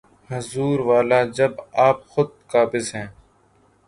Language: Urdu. حضور والا، جب آپ خود قابض ہیں۔